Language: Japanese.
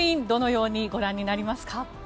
どのようにご覧になりますか。